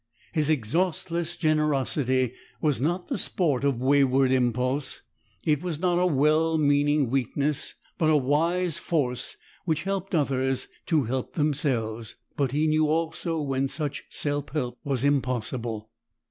His exhaustless generosity was not the sport of wayward impulse. It was not a well meaning weakness, but a wise force which helped others to help themselves, but knew also when such self help was impossible.